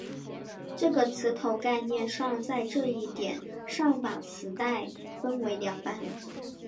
这个磁头概念上在这一点上把磁带分为两半。